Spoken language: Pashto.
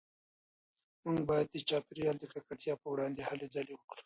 موږ باید د چاپیریال د ککړتیا پروړاندې هلې ځلې وکړو